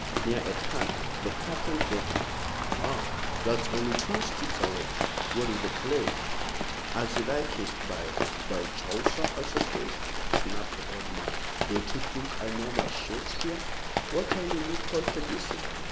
"Near at hand. The Curtain Theatre." "Ah! That's only two streets away. What is the play?" "As You Like It, by " "By Chaucer, I suppose," snapped the old man. "Don't you think I know my Shakespeare? What time will you call for Lucy?"